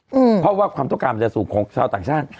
เพราะว่าความต้องการมันจะสูงของชาวต่างชาติ